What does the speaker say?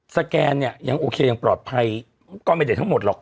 แกนเนี่ยยังโอเคยังปลอดภัยก็ไม่ได้ทั้งหมดหรอก